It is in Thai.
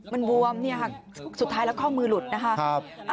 มันบวมสุดท้ายแล้วข้อมือหลุดนะคะ